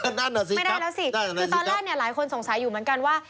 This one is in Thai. นั่นเหรอสิครับนั่นเหรอสิครับคือตอนแรกหลายคนสงสัยอยู่เหมือนกันว่า